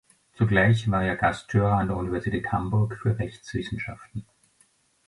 Zugleich war er Gasthörer an der Universität Hamburg für Rechtswissenschaften.